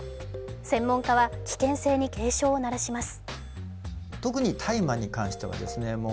専門家は危険性に警鐘を鳴らします。